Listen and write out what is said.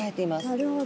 なるほど。